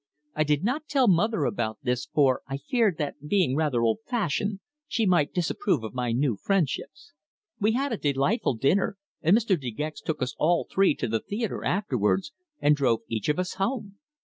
I did not tell mother about this, for I feared that being rather old fashioned she might disapprove of my new friendships. We had a delightful dinner, and Mr. De Gex took us all three to the theatre afterwards, and drove each of us home.